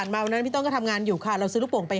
เขามีคนรักกันนานอย่างนั้นด้วยหรือ